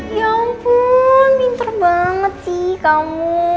ya ampun pinter banget sih kamu